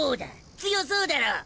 強そうだろ！